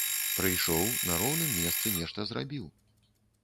Прыйшоў, на роўным месцы нешта зрабіў.